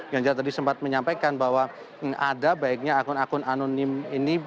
ganjar tadi sempat menyampaikan bahwa ada baiknya akun akun anonim ini